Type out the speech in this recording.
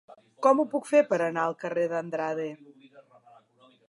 Com ho puc fer per anar al carrer d'Andrade?